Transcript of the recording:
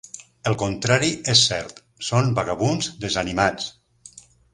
El contrari és cert; són vagabunds desanimats.